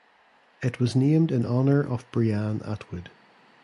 It was named in honor of Brianne Atwood.